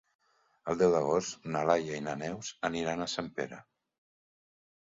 El deu d'agost na Laia i na Neus aniran a Sempere.